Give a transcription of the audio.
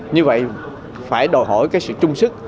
như vậy phải đòi hỏi cái sự trung sức